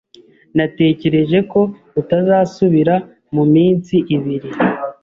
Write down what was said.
Natekereje ko utazasubira muminsi ibiri.